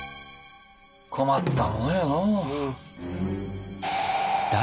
困ったものよのう。